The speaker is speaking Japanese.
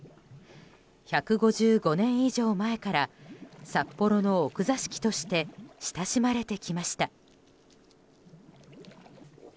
１５５年以上前から札幌の奥座敷として親しまれてきました。